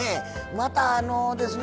またあのですね